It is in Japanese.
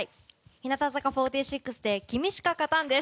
日向坂４６で「君しか勝たん」です。